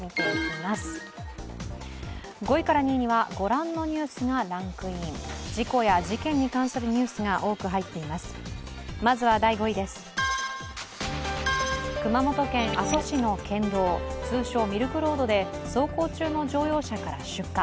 まずは第５位です、熊本県阿蘇市の県道、通称ミルクロードで走行中の乗用車から出火。